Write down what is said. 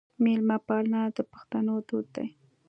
میلمه پالنه د پښتنو دود دی.